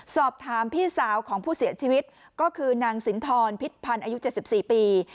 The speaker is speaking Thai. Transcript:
สอบถามพี่สาวของผู้เสียชีวิตก็คือนางสินทรพิษพันธ์อายุ๗๔ปี